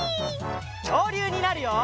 きょうりゅうになるよ！